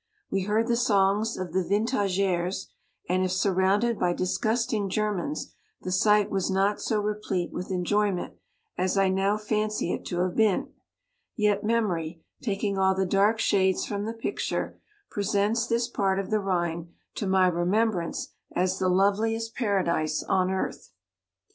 We heard the songs of the vintagers, and if surrounded by disgusting Germans, the sight was not so replete with en joyment as I now fancy it to have been ; yet memory, taking all the dark shades from the picture, presents this part of the Rhine to my remembrance as the loveliest paradise on earth.